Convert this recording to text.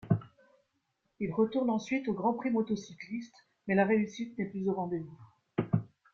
Il retourne ensuite aux Grand Prix motocyclistes mais la réussite n'est plus au rendez-vous.